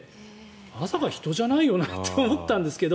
まさか人じゃないよなって思ったんですけど。